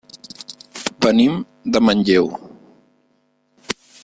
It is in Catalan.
Venim de Manlleu.